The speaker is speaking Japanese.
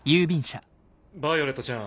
ヴァイオレットちゃん。